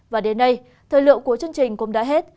và đến đây thời lượng của chương trình cũng đã hết